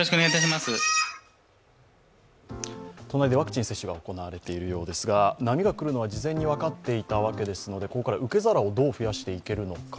隣でワクチン接種が行われているようですが、波が来るのは事前に分かっていたわけですので、ここからはどう増やしていけるのか。